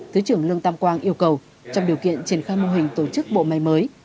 thứ trưởng lương tam quang yêu cầu trong điều kiện triển khai mô hình tổ chức bộ máy mới